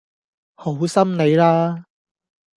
好心你啦